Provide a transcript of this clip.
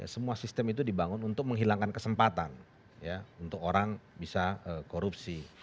semua sistem itu dibangun untuk menghilangkan kesempatan untuk orang bisa korupsi